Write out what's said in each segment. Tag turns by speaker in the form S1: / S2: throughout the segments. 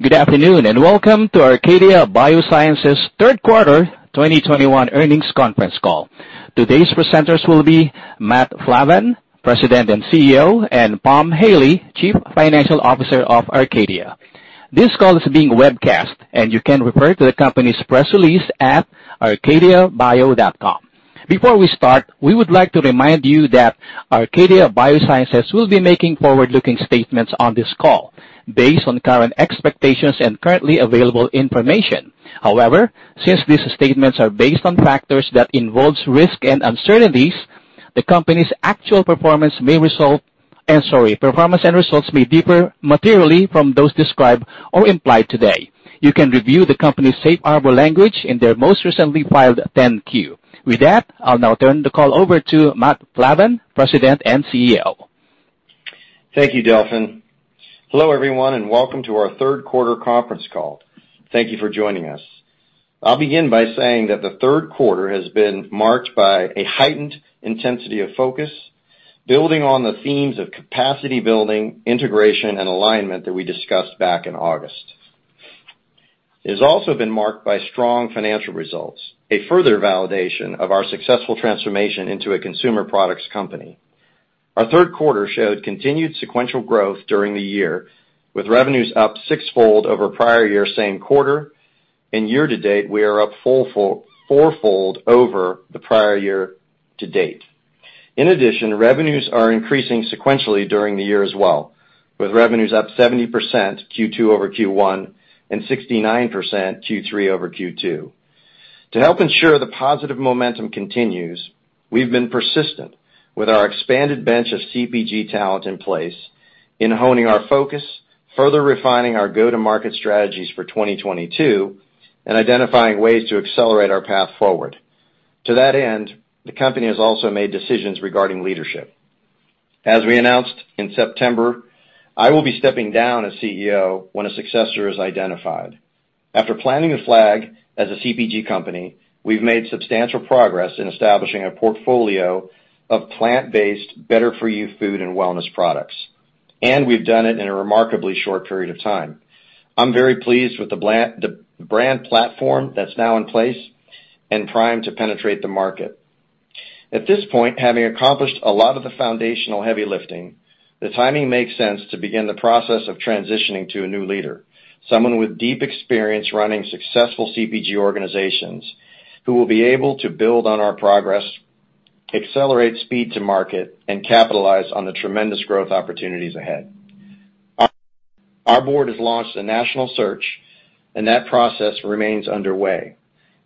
S1: Good afternoon, and welcome to Arcadia Biosciences's Q3 2021 Earnings Conference Call. Today's presenters will be Matthew Plavan, President and CEO, and Pam Haley, Chief Financial Officer of Arcadia. This call is being webcast, and you can refer to the company's press release at arcadiabio.com. Before we start, we would like to remind you that Arcadia Biosciences will be making forward-looking statements on this call based on current expectations and currently available information. However, since these statements are based on factors that involves risk and uncertainties, the company's actual performance and results may differ materially from those described or implied today. You can review the company's safe harbor language in their most recently filed 10-Q. With that, I'll now turn the call over to Matthew Plavan, President and CEO.
S2: Thank you, Delphin. Hello, everyone, and welcome to our Q3 conference call. Thank you for joining us. I'll begin by saying that the Q3 has been marked by a heightened intensity of focus, building on the themes of capacity building, integration and alignment that we discussed back in August. It has also been marked by strong financial results, a further validation of our successful transformation into a consumer products company. Our Q3 showed continued sequential growth during the year, with revenues up sixfold over prior year same quarter. In year-to-date, we are up fourfold over the prior year to date. In addition, revenues are increasing sequentially during the year as well, with revenues up 70% Q2 over Q1 and 69% Q3 over Q2. To help ensure the positive momentum continues, we've been persistent with our expanded bench of CPG talent in place in honing our focus, further refining our go-to-market strategies for 2022, and identifying ways to accelerate our path forward. To that end, the company has also made decisions regarding leadership. As we announced in September, I will be stepping down as CEO when a successor is identified. After planting the flag as a CPG company, we've made substantial progress in establishing a portfolio of plant-based, better-for-you food and wellness products. We've done it in a remarkably short period of time. I'm very pleased with the brand platform that's now in place and primed to penetrate the market. At this point, having accomplished a lot of the foundational heavy lifting, the timing makes sense to begin the process of transitioning to a new leader, someone with deep experience running successful CPG organizations who will be able to build on our progress, accelerate speed to market, and capitalize on the tremendous growth opportunities ahead. Our board has launched a national search, and that process remains underway.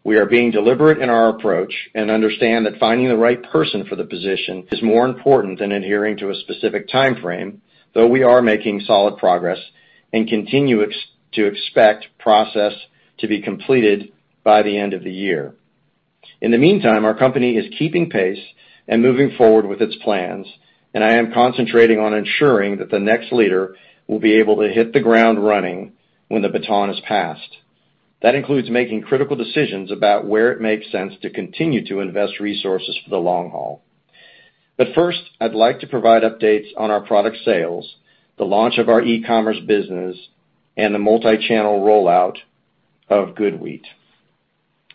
S2: We are being deliberate in our approach and understand that finding the right person for the position is more important than adhering to a specific timeframe, though we are making solid progress and continue to expect the process to be completed by the end of the year. In the meantime, our company is keeping pace and moving forward with its plans, and I am concentrating on ensuring that the next leader will be able to hit the ground running when the baton is passed. That includes making critical decisions about where it makes sense to continue to invest resources for the long haul. First, I'd like to provide updates on our product sales, the launch of our e-commerce business, and the multi-channel rollout of GoodWheat.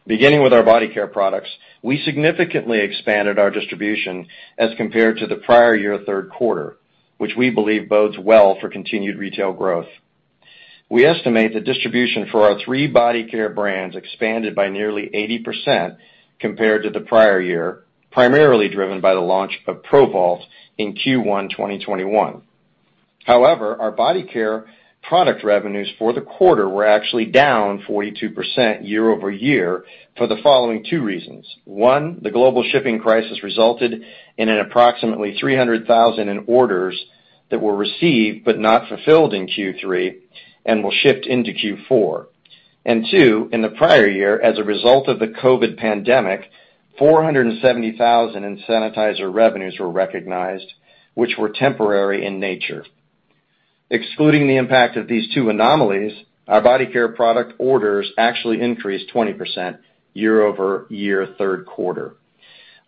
S2: Beginning with our body care products, we significantly expanded our distribution as compared to the prior-year Q3, which we believe bodes well for continued retail growth. We estimate the distribution for our three body care brands expanded by nearly 80% compared to the prior year, primarily driven by the launch of Pro-Valt in Q1 2021. However, our body care product revenues for the quarter were actually down 42% year-over-year for the following two reasons. One, the global shipping crisis resulted in approximately $300,000 in orders that were received but not fulfilled in Q3 and will shift into Q4. Two, in the prior year, as a result of the COVID pandemic, $470,000 in sanitizer revenues were recognized, which were temporary in nature. Excluding the impact of these two anomalies, our body care product orders actually increased 20% year-over-year Q3.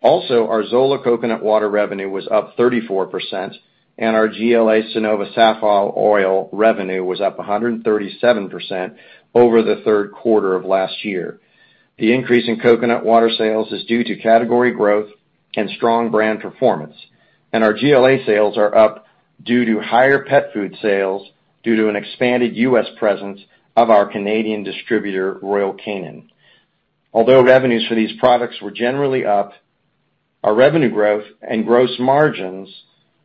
S2: Also, our Zola Coconut Water revenue was up 34%, and our SONOVA GLA Safflower Oil revenue was up 137% over the Q3 of last year. The increase in coconut water sales is due to category growth and strong brand performance, and our GLA sales are up due to higher pet food sales due to an expanded U.S. presence of our Canadian distributor, Royal Canin. Although revenues for these products were generally up, our revenue growth and gross margins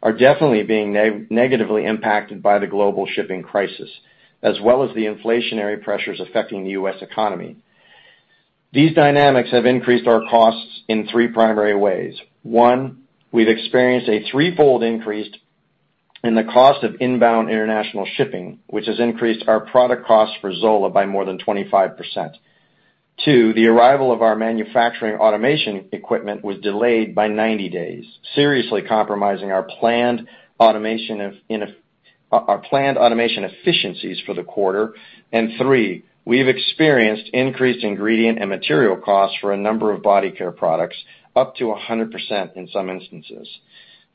S2: are definitely being negatively impacted by the global shipping crisis, as well as the inflationary pressures affecting the U.S. economy. These dynamics have increased our costs in three primary ways. One, we've experienced a threefold increase in the cost of inbound international shipping, which has increased our product cost for Zola by more than 25%. Two, the arrival of our manufacturing automation equipment was delayed by 90 days, seriously compromising our planned automation efficiencies for the quarter. Three, we've experienced increased ingredient and material costs for a number of body care products, up to 100% in some instances.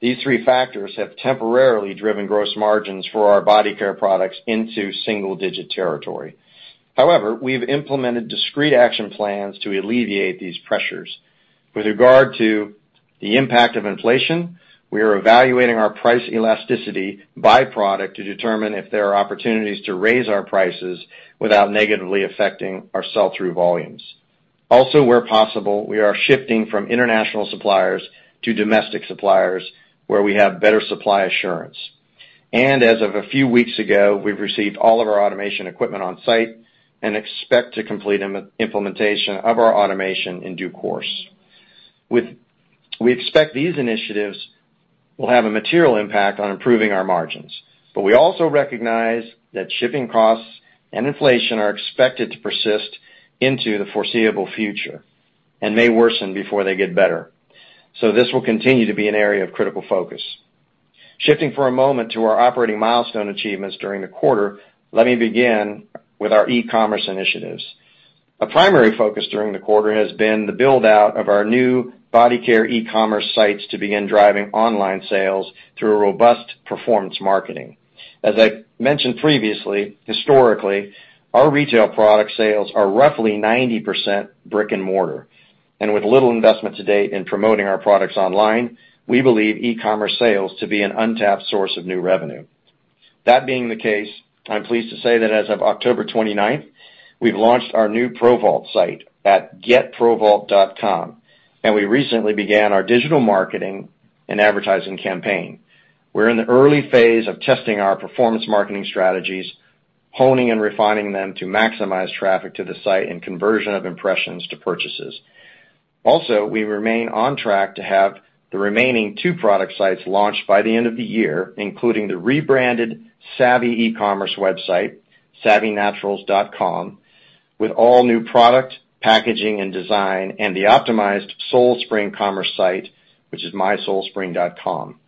S2: These three factors have temporarily driven gross margins for our body care products into single-digit territory. However, we've implemented discrete action plans to alleviate these pressures. With regard to the impact of inflation, we are evaluating our price elasticity by product to determine if there are opportunities to raise our prices without negatively affecting our sell-through volumes. Also, where possible, we are shifting from international suppliers to domestic suppliers, where we have better supply assurance. As of a few weeks ago, we've received all of our automation equipment on site and expect to complete implementation of our automation in due course. We expect these initiatives will have a material impact on improving our margins. We also recognize that shipping costs and inflation are expected to persist into the foreseeable future and may worsen before they get better. This will continue to be an area of critical focus. Shifting for a moment to our operating milestone achievements during the quarter, let me begin with our e-commerce initiatives. A primary focus during the quarter has been the build-out of our new body care e-commerce sites to begin driving online sales through a robust performance marketing. As I mentioned previously, historically, our retail product sales are roughly 90% brick-and-mortar. With little investment to date in promoting our products online, we believe e-commerce sales to be an untapped source of new revenue. That being the case, I'm pleased to say that as of October 29th, we've launched our new Pro-Vault site at getprovault.com, and we recently began our digital marketing and advertising campaign. We're in the early phase of testing our performance marketing strategies, honing and refining them to maximize traffic to the site and conversion of impressions to purchases. We remain on track to have the remaining two product sites launched by the end of the year, including the rebranded Saavy e-commerce website, saavynaturals.com, with all new product, packaging, and design, and the optimized Soul Spring commerce site, which is mysoulspring.com.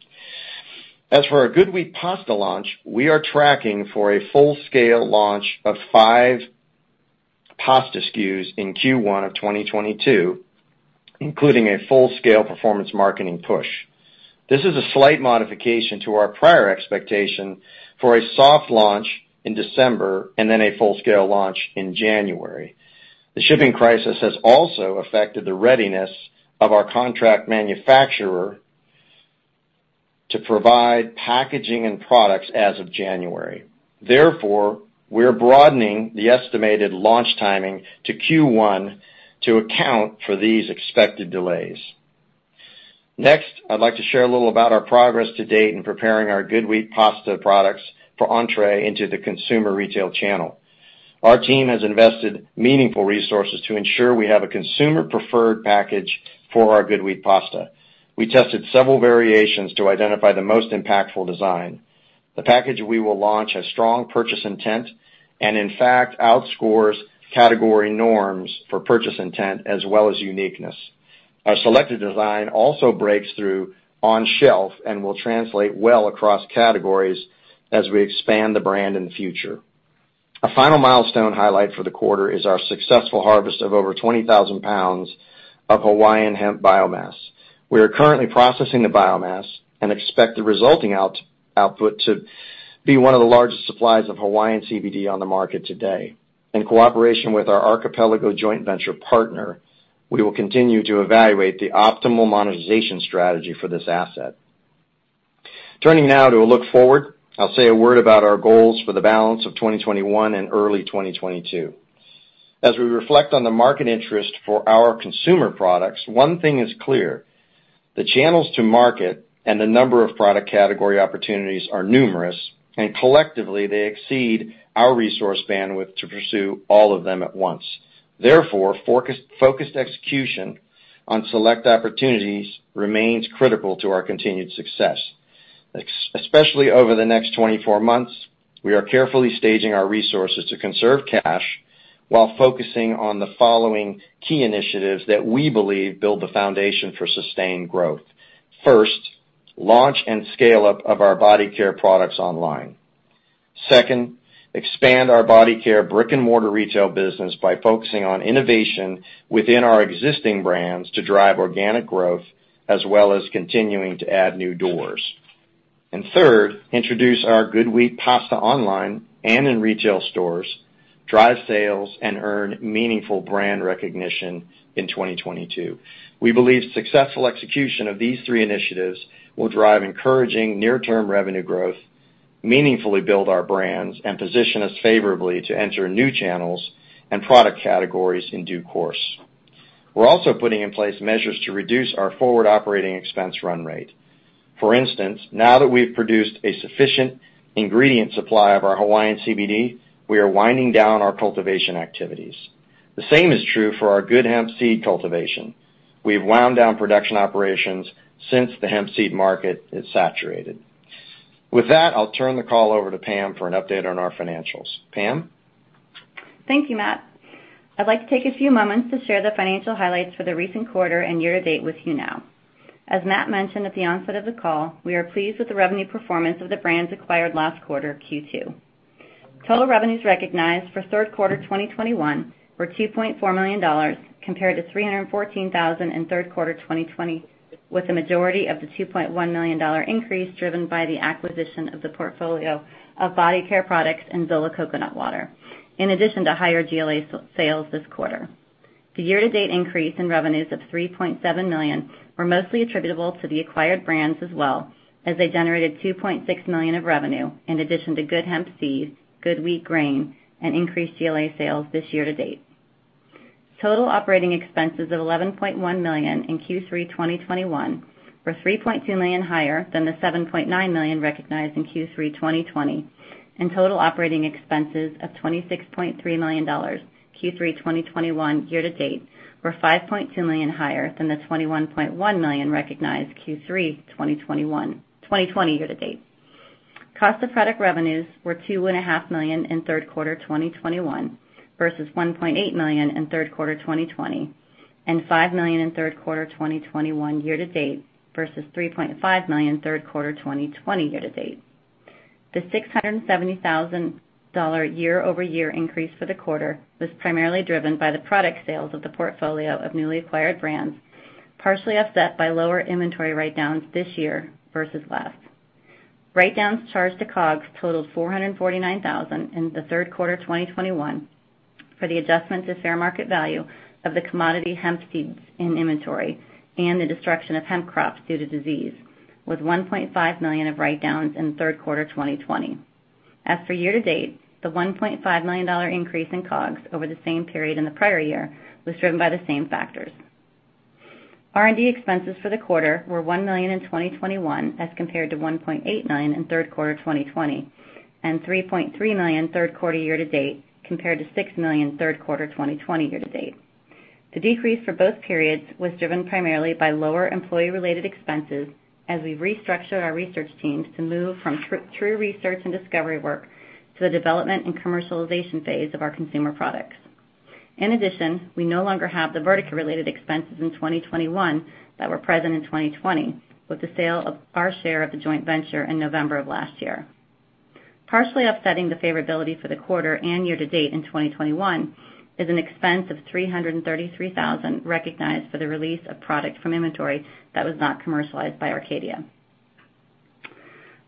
S2: As for our GoodWheat Pasta launch, we are tracking for a full-scale launch of five pasta SKUs in Q1 of 2022, including a full-scale performance marketing push. This is a slight modification to our prior expectation for a soft launch in December and then a full-scale launch in January. The shipping crisis has also affected the readiness of our contract manufacturer to provide packaging and products as of January. Therefore, we're broadening the estimated launch timing to Q1 to account for these expected delays. Next, I'd like to share a little about our progress to date in preparing our GoodWheat Pasta products for entry into the consumer retail channel. Our team has invested meaningful resources to ensure we have a consumer-preferred package for our GoodWheat Pasta. We tested several variations to identify the most impactful design. The package we will launch has strong purchase intent and, in fact, outscores category norms for purchase intent as well as uniqueness. Our selected design also breaks through on shelf and will translate well across categories as we expand the brand in the future. A final milestone highlight for the quarter is our successful harvest of over 20,000 pounds of Hawaiian hemp biomass. We are currently processing the biomass and expect the resulting output to be one of the largest supplies of Hawaiian CBD on the market today. In cooperation with our Archipelago joint venture partner, we will continue to evaluate the optimal monetization strategy for this asset. Turning now to a look forward, I'll say a word about our goals for the balance of 2021 and early 2022. As we reflect on the market interest for our consumer products, one thing is clear. The channels to market and the number of product category opportunities are numerous, and collectively, they exceed our resource bandwidth to pursue all of them at once. Therefore, focused execution on select opportunities remains critical to our continued success. Especially over the next 24 months, we are carefully staging our resources to conserve cash while focusing on the following key initiatives that we believe build the foundation for sustained growth. First, launch and scale up of our body care products online. Second, expand our body care brick-and-mortar retail business by focusing on innovation within our existing brands to drive organic growth as well as continuing to add new doors. Third, introduce our GoodWheat Pasta online and in retail stores, drive sales, and earn meaningful brand recognition in 2022. We believe successful execution of these three initiatives will drive encouraging near-term revenue growth, meaningfully build our brands, and position us favorably to enter new channels and product categories in due course. We're also putting in place measures to reduce our forward operating expense run rate. For instance, now that we've produced a sufficient ingredient supply of our Hawaiian CBD, we are winding down our cultivation activities. The same is true for our GoodHemp seed cultivation. We've wound down production operations since the hemp seed market is saturated. With that, I'll turn the call over to Pam for an update on our financials. Pam?
S3: Thank you, Matt. I'd like to take a few moments to share the financial highlights for the recent quarter and year to date with you now. As Matt mentioned at the onset of the call, we are pleased with the revenue performance of the brands acquired last quarter, Q2. Total revenues recognized for Q3 2021 were $2.4 million compared to $314,000 in Q3 2020, with the majority of the $2.1 million increase driven by the acquisition of the portfolio of body care products and Zola Coconut Water, in addition to higher GLA sales this quarter. The year-to-date increase in revenues of $3.7 million was mostly attributable to the acquired brands as well as they generated $2.6 million of revenue in addition to GoodHemp seeds, GoodWheat grain, and increased GLA sales this year to date. Total operating expenses of $11.1 million in Q3 2021 were $3.2 million higher than the $7.9 million recognized in Q3 2020, and total operating expenses of $26.3 million in Q3 2021 year to date were $5.2 million higher than the $21.1 million recognized in Q3 2020 year to date. Cost of product revenues were $2.5 million in Q3 2021 versus $1.8 million in Q3 2020 and $5 million in Q3 2021 year to date versus $3.5 million Q3 2020 year to date. The $670,000 year-over-year increase for the quarter was primarily driven by the product sales of the portfolio of newly acquired brands, partially offset by lower inventory write-downs this year versus last. Write-downs charged to COGS totaled $449,000 in the Q3 2021 for the adjustment to fair market value of the commodity hemp seeds in inventory and the destruction of hemp crops due to disease, with $1.5 million of write-downs in Q3 2020. As for year to date, the $1.5 million increase in COGS over the same period in the prior year was driven by the same factors. R&D expenses for the quarter were $1 million in 2021 as compared to $1.89 million in Q3 2020 and $3.3 million Q3 year to date compared to $6 million Q3 2020 year to date. The decrease for both periods was driven primarily by lower employee-related expenses as we restructured our research teams to move from true research and discovery work to the development and commercialization phase of our consumer products. In addition, we no longer have the Verdeca-related expenses in 2021 that were present in 2020 with the sale of our share of the joint venture in November of last year. Partially offsetting the favorability for the quarter and year to date in 2021 is an expense of $333,000 recognized for the release of product from inventory that was not commercialized by Arcadia.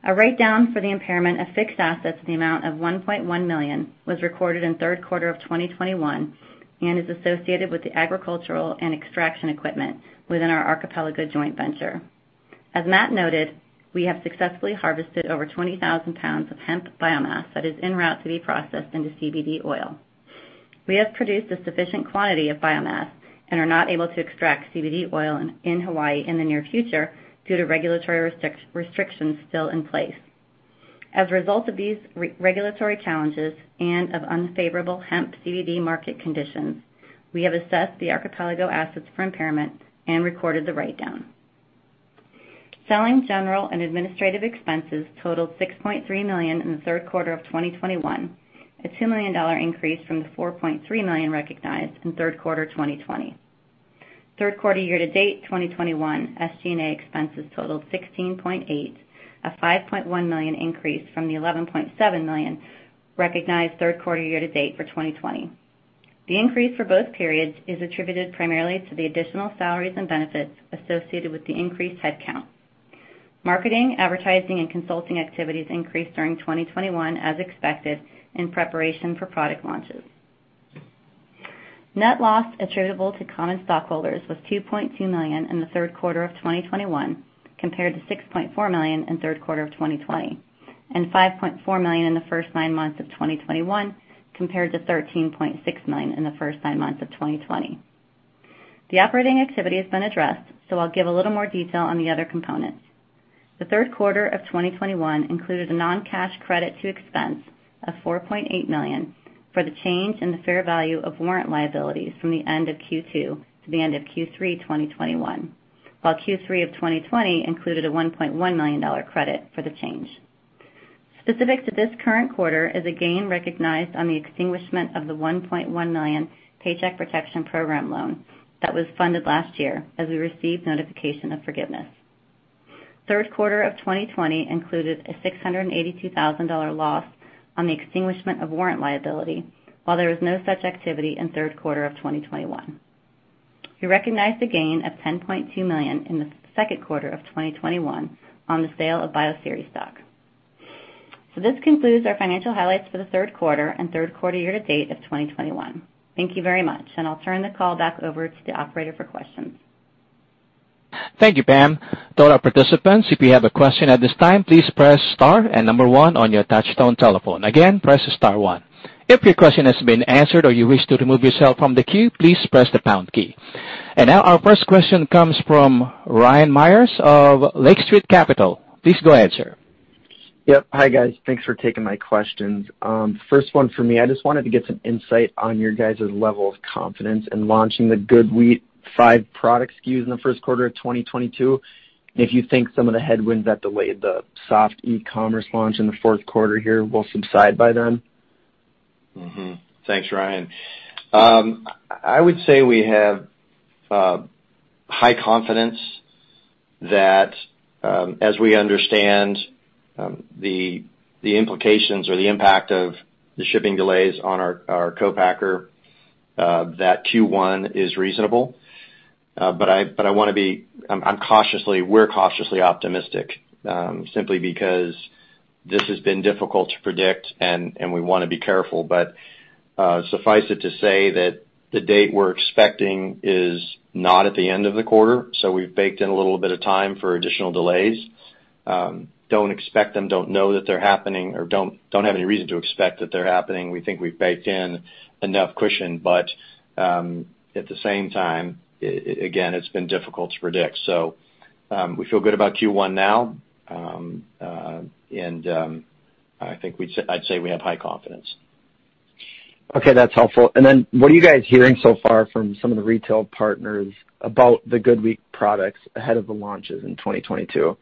S3: A write-down for the impairment of fixed assets in the amount of $1.1 million was recorded in Q3 of 2021 and is associated with the agricultural and extraction equipment within our Archipelago joint venture. As Matt noted, we have successfully harvested over 20,000 pounds of hemp biomass that is en route to be processed into CBD oil. We have produced a sufficient quantity of biomass and are not able to extract CBD oil in Hawaii in the near future due to regulatory restrictions still in place. As a result of these re-regulatory challenges and of unfavorable hemp CBD market conditions, we have assessed the Archipelago assets for impairment and recorded the write-down. Selling, general, and administrative expenses totaled $6.3 million in the Q3 of 2021, a $2 million increase from the $4.3 million recognized in Q3 2020. Q3 year to date, 2021 SG&A expenses totaled $16.8 million, a $5.1 million increase from the $11.7 million recognized Q3 year to date for 2020. The increase for both periods is attributed primarily to the additional salaries and benefits associated with the increased headcount. Marketing, advertising, and consulting activities increased during 2021 as expected in preparation for product launches. Net loss attributable to common stockholders was $2.2 million in the Q3 of 2021 compared to $6.4 million in Q3 of 2020 and $5.4 million in the first nine months of 2021 compared to $13.6 million in the first nine months of 2020. The operating activity has been addressed, so I'll give a little more detail on the other components. The Q3 of 2021 included a non-cash credit to expense of $4.8 million for the change in the fair value of warrant liabilities from the end of Q2 to the end of Q3 2021, while Q3 of 2020 included a $1.1 million credit for the change. Specific to this current quarter is a gain recognized on the extinguishment of the $1.1 million Paycheck Protection Program loan that was funded last year as we received notification of forgiveness. Q3 of 2020 included a $682,000 loss on the extinguishment of warrant liability, while there was no such activity in Q3 of 2021. We recognized a gain of $10.2 million in the Q2 of 2021 on the sale of Bioceres stock. This concludes our financial highlights for the Q3 and Q3 year-to-date of 2021. Thank you very much, and I'll turn the call back over to the operator for questions.
S1: Thank you, Pam. To all our participants, if you have a question at this time, please press star and number one on your touchtone telephone. Again, press star one. If your question has been answered or you wish to remove yourself from the queue, please press the pound key. Now our first question comes from Ryan Meyers of Lake Street Capital. Please go ahead, sir.
S4: Yep. Hi, guys. Thanks for taking my questions. First one for me, I just wanted to get some insight on your guys' level of confidence in launching the GoodWheat five product SKUs in the Q1 of 2022, and if you think some of the headwinds that delayed the soft e-commerce launch in the Q4 here will subside by then?
S2: Thanks, Ryan. I would say we have high confidence that, as we understand, the implications or the impact of the shipping delays on our co-packer, that Q1 is reasonable, but we're cautiously optimistic, simply because this has been difficult to predict and we wanna be careful. Suffice it to say that the date we're expecting is not at the end of the quarter, so we've baked in a little bit of time for additional delays. Don't expect them, don't know that they're happening or don't have any reason to expect that they're happening. We think we've baked in enough cushion, but at the same time, again, it's been difficult to predict. We feel good about Q1 now, and I think I'd say we have high confidence.
S4: Okay, that's helpful. What are you guys hearing so far from some of the retail partners about the GoodWheat products ahead of the launches in 2022?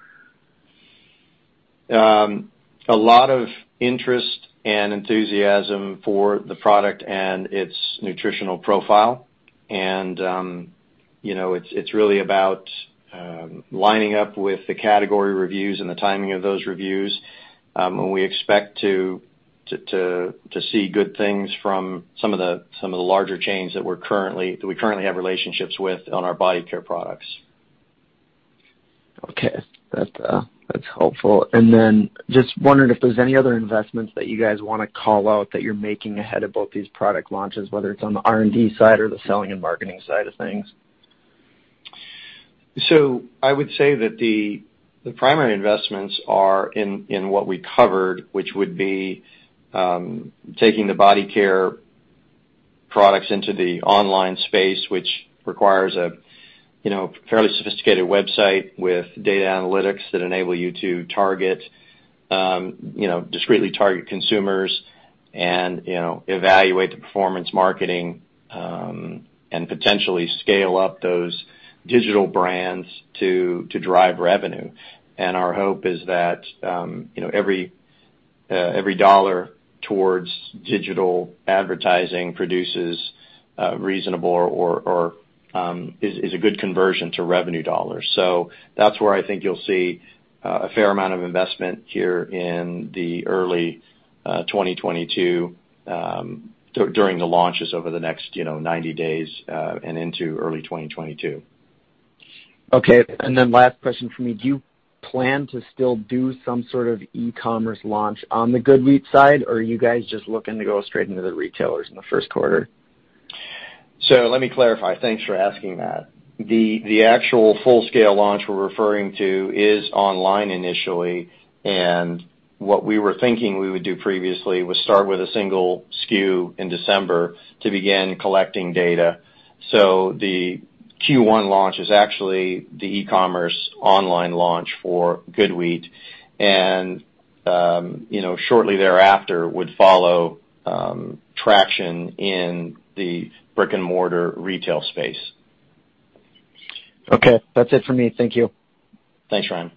S2: A lot of interest and enthusiasm for the product and its nutritional profile. You know, it's really about lining up with the category reviews and the timing of those reviews. We expect to see good things from some of the larger chains that we currently have relationships with on our body care products.
S4: Okay. That's helpful. Just wondering if there's any other investments that you guys wanna call out that you're making ahead of both these product launches, whether it's on the R&D side or the selling and marketing side of things.
S2: I would say that the primary investments are in what we covered, which would be taking the body care products into the online space, which requires a you know, fairly sophisticated website with data analytics that enable you to target you know, discreetly target consumers and you know, evaluate the performance marketing and potentially scale up those digital brands to drive revenue. Our hope is that every dollar towards digital advertising produces reasonable or is a good conversion to revenue dollars. That's where I think you'll see a fair amount of investment here in the early 2022 during the launches over the next 90 days and into early 2022.
S4: Okay. Last question from me. Do you plan to still do some sort of e-commerce launch on the GoodWheat side, or are you guys just looking to go straight into the retailers in the Q1?
S2: Let me clarify. Thanks for asking that. The actual full scale launch we're referring to is online initially, and what we were thinking we would do previously was start with a single SKU in December to begin collecting data. The Q1 launch is actually the e-commerce online launch for GoodWheat and, you know, shortly thereafter would follow traction in the brick-and-mortar retail space.
S4: Okay. That's it for me. Thank you.
S2: Thanks, Ryan.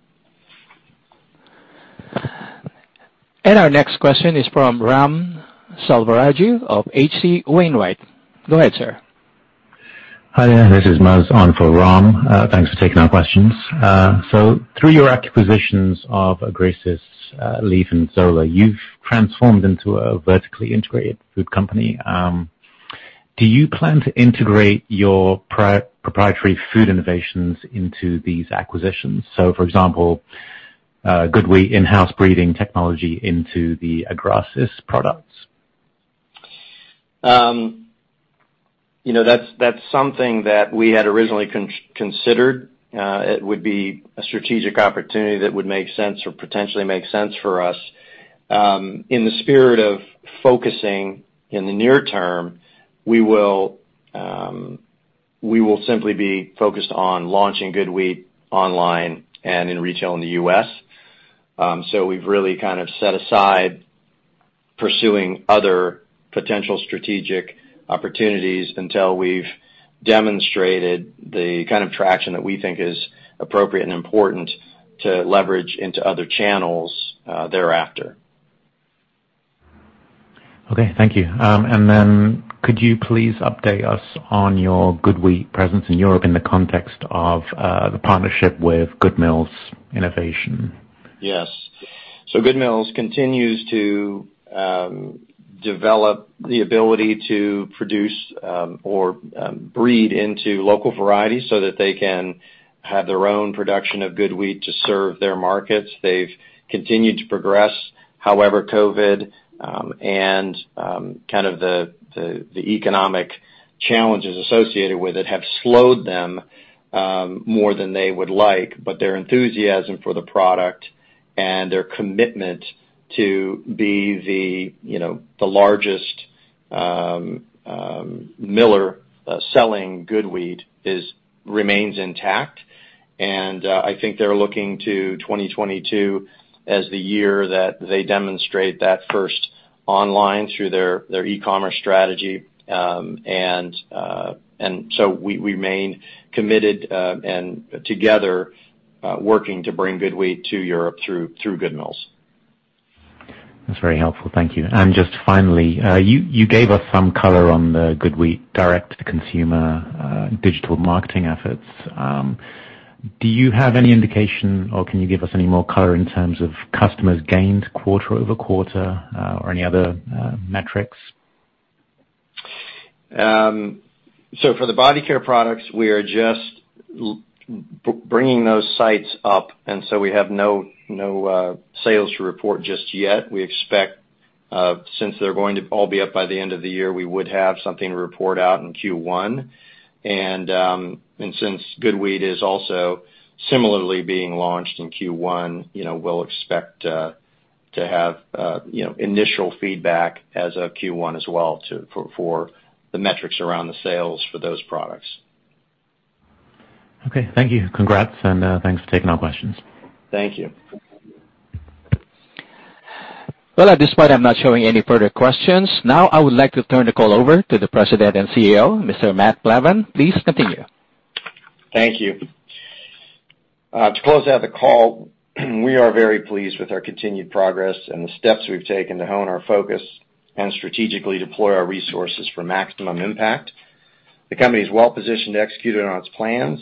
S1: Our next question is from Ram Selvaraju of H.C. Wainwright. Go ahead, sir.
S5: Hi, this is Muzz on for Ram. Thanks for taking our questions. Through your acquisitions of Agrasys, Lief, and Zola, you've transformed into a vertically integrated food company. Do you plan to integrate your proprietary food innovations into these acquisitions? For example, GoodWheat in-house breeding technology into the Agrasys products.
S2: You know, that's something that we had originally considered. It would be a strategic opportunity that would make sense or potentially make sense for us. In the spirit of focusing in the near term, we will simply be focused on launching GoodWheat online and in retail in the U.S. We've really kind of set aside pursuing other potential strategic opportunities until we've demonstrated the kind of traction that we think is appropriate and important to leverage into other channels thereafter.
S5: Okay. Thank you. Could you please update us on your GoodWheat presence in Europe in the context of the partnership with GoodMills Innovation?
S2: Yes. GoodMills continues to develop the ability to produce or breed into local varieties so that they can have their own production of GoodWheat to serve their markets. They've continued to progress. However, COVID and kind of the economic challenges associated with it have slowed them more than they would like. Their enthusiasm for the product and their commitment to be the, you know, the largest miller selling GoodWheat remains intact. I think they're looking to 2022 as the year that they demonstrate that first online through their e-commerce strategy. We remain committed and together working to bring GoodWheat to Europe through GoodMills.
S5: That's very helpful. Thank you. Just finally, you gave us some color on the GoodWheat direct-to-consumer digital marketing efforts. Do you have any indication, or can you give us any more color in terms of customers gained quarter-over-quarter, or any other metrics?
S2: For the body care products, we are just bringing those sites up, and we have no sales to report just yet. We expect since they're going to all be up by the end of the year, we would have something to report out in Q1. Since GoodWheat is also similarly being launched in Q1, you know, we'll expect to have you know initial feedback as of Q1 as well for the metrics around the sales for those products.
S5: Okay. Thank you. Congrats, and thanks for taking our questions.
S2: Thank you.
S1: Well, at this point, I'm not showing any further questions. Now I would like to turn the call over to the President and CEO, Mr. Matthew Plavan. Please continue.
S2: Thank you. To close out the call, we are very pleased with our continued progress and the steps we've taken to hone our focus and strategically deploy our resources for maximum impact. The company is well-positioned to execute on its plans,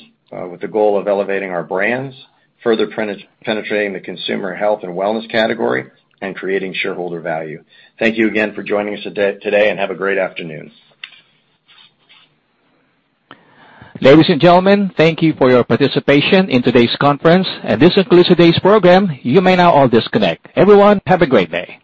S2: with the goal of elevating our brands, further penetrating the consumer health and wellness category, and creating shareholder value. Thank you again for joining us today, and have a great afternoon.
S1: Ladies and gentlemen, thank you for your participation in today's conference. This concludes today's program. You may now all disconnect. Everyone, have a great day.